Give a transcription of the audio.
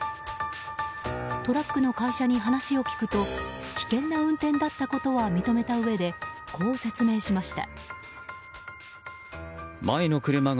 トラックの会社に話を聞くと危険な運転だったことは認めたうえでこう説明しました。